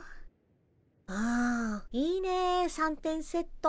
うんいいね三点セット。